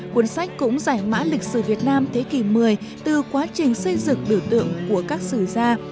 cuốn sách cũng giải mã lịch sử việt nam thế kỷ một mươi từ quá trình xây dựng biểu tượng của các sử gia